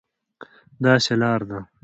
داسې لار ده،